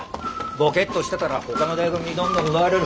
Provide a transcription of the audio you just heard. ボケッとしてたらほかの大学にどんどん奪われる。